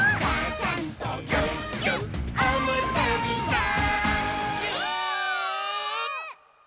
「ちゃちゃんとぎゅっぎゅっおむすびちゃん」